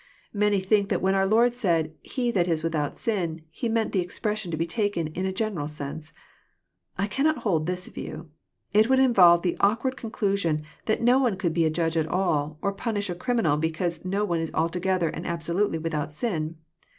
Many think that when our Lord said '^ he that Is VFithout sin, He meant the expression to be taken in a general sense. I can not hold this view. It would involve the awkward conclusion that no one coold be a judge at all, or punish a criminal, be cause no one is altogether and absolutely " without sin."